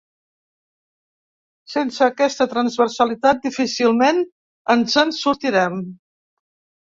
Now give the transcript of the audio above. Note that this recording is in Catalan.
Sense aquesta transversalitat, difícilment ens en sortirem.